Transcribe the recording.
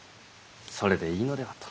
それでいいのではと。